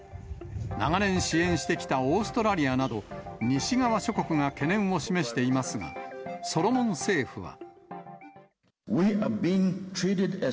長年支援してきたオーストラリアなど、西側諸国が懸念を示していますが、ソロモン政府は。